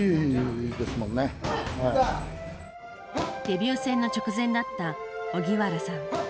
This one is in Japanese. デビュー戦の直前だった荻原さん。